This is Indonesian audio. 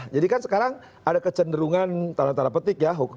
jadi kan sekarang ada kecenderungan taruh taruh petik ya